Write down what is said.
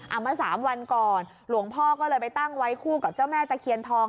เอามาสามวันก่อนหลวงพ่อก็เลยไปตั้งไว้คู่กับเจ้าแม่ตะเคียนทอง